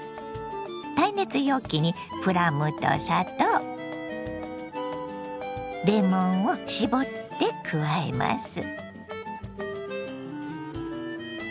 耐熱容器にプラムと砂糖レモンを搾って加えます。